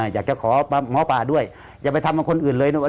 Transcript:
อยากจะขอหมอปลาด้วยอย่าไปทำกับคนอื่นเลย